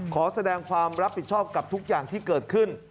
ขอแสดงความรับผิดชอบกับทุกอย่างที่เกิดขึ้น